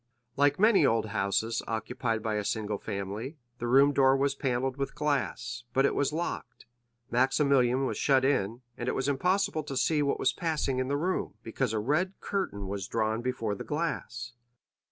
Like many old houses occupied by a single family, the room door was panelled with glass; but it was locked, Maximilian was shut in, and it was impossible to see what was passing in the room, because a red curtain was drawn before the glass.